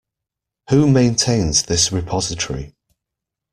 Who maintains this repository?